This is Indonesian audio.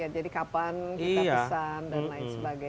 jadi kapan kita pesan dan lain sebagainya